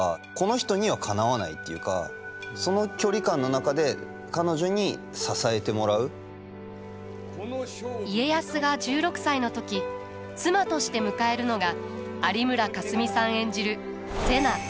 とにかく僕にとって家康が１６歳の時妻として迎えるのが有村架純さん演じる瀬名。